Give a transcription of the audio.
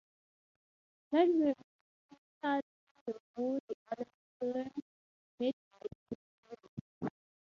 Maxim's is featured in the Woody Allen film "Midnight in Paris".